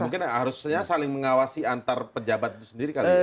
mungkin harusnya saling mengawasi antar pejabat itu sendiri kali ya